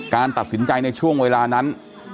การตัดสินใจในช่วงเวลานั้น